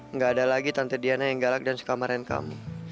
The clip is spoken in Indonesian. enggak ada lagi tante diana yang galak dan suka marahin kamu